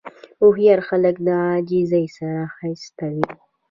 هوښیار خلک د عاجزۍ سره ښایسته وي.